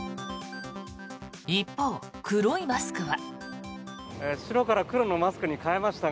一方、黒いマスクは。